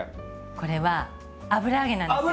これは油揚げなんですよ。